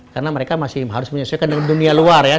karena mereka masih harus menyelesaikan dengan dunia luar ya